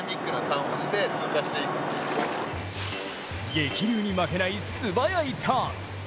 激流に負けない素早いターン。